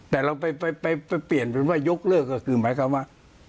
แต่เราไปเปลี่ยนเป็นว่ายกเลิกก็คือหมายความว่า